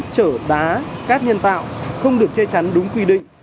trở đá cát nhân tạo không được che chắn đúng quy định